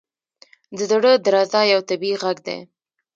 • د زړه درزا یو طبیعي ږغ دی.